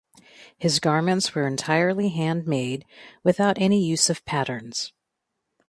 His garments were entirely handmade without any use of patterns.